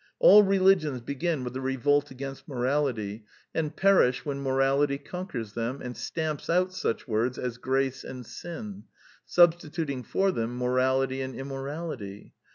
All religions begin with a revolt The Lesson of the Plays 189 against morality, and perish when morality con quers them and stamps out such words as grace and sin, substituting for them morality and im morality.